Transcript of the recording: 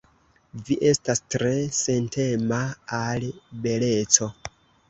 Vi estas tre sentema al beleco.